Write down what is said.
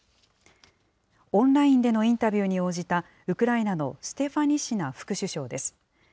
オンラインでのインタビューに応じた、ウクライナのステファニシナ副首相です。